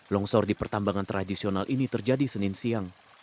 longsor di pertambangan tradisional ini terjadi senin siang